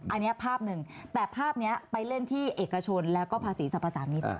อันนี้ภาพหนึ่งแต่ภาพนี้ไปเล่นที่เอกชนแล้วก็ภาษีสรรพสามิตร